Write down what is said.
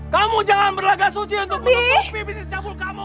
kamu jangan berlagak suci untuk menutupi bisnis cabul kamu